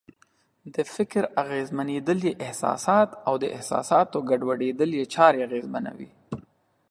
د فکر اغېزمنېدل یې احساسات او د احساساتو ګډوډېدل یې چارې اغېزمنوي.